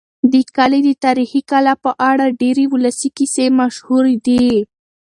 د کلي د تاریخي کلا په اړه ډېرې ولسي کیسې مشهورې دي.